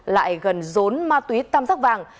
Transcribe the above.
lại gần rốn ma túy tam sắc vàng